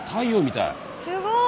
すごい。